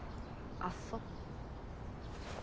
あっそう。